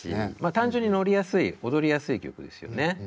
単純に乗りやすい踊りやすい曲ですよね。